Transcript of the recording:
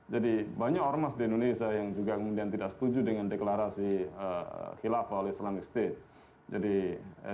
jadi banyak ormas di indonesia yang juga kemudian tidak setuju dengan deklarasi khilafat oleh islamic state